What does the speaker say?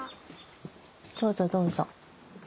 どうぞどうぞ。